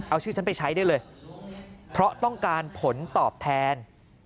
เอาชื่อฉันไปใช้ได้เลยเพราะต้องการผลตอบแทน